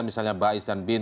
misalnya baiz dan bin